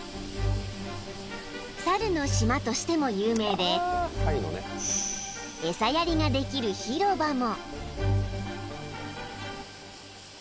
［猿の島としても有名で餌やりができる広場も］